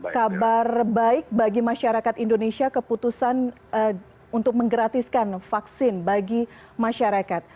kabar baik bagi masyarakat indonesia keputusan untuk menggratiskan vaksin bagi masyarakat